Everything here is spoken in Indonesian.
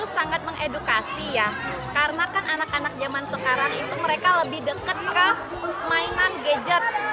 sangat mengedukasi ya karena kan anak anak zaman sekarang itu mereka lebih dekat ke mainan gadget